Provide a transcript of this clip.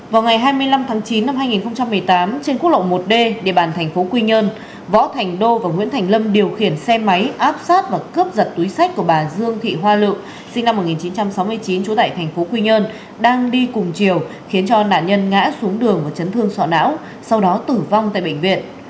vào ngày hai mươi năm tháng chín năm hai nghìn một mươi tám trên quốc lộ một d địa bàn tp hcm võ thành đô và nguyễn thành lâm điều khiển xe máy áp sát và cướp giật túi sách của bà dương thị hoa lự sinh năm một nghìn chín trăm sáu mươi chín chủ tại tp hcm đang đi cùng chiều khiến cho nạn nhân ngã xuống đường và chấn thương sọ não sau đó tử vong tại bệnh viện